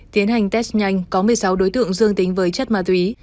tiến hành test nhanh có một mươi sáu đối tượng dương tính với chất ma túy